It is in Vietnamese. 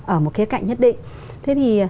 ở một khía cạnh nhất định